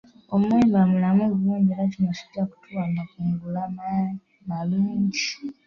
Omuwemba mulamu bulungi era kino kijja kutuwa amakungula amalungi.